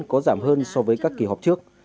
có giảm hơn so với các kỳ họp trước